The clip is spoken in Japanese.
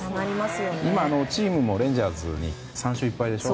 今、チームもレンジャーズに３勝１敗でしょ？